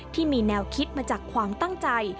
ที่มีแนวคิดมาจากความตั้งใจ